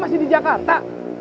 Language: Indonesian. masih di jakarta